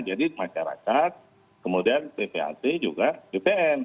jadi masyarakat kemudian ppat juga bpn